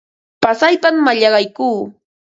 Pasaypam mallaqaykuu.